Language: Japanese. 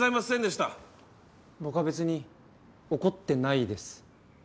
僕は別に怒ってないです。